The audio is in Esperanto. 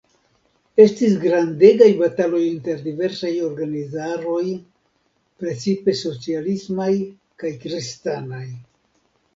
Estis grandegaj bataloj inter diversaj organizaroj, precipe socialismaj kaj kristanaj.